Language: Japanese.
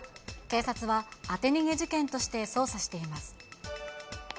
警察は当て逃げ事件として捜査しています。